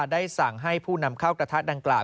ได้สั่งให้ผู้นำเข้ากระทะดังกล่าว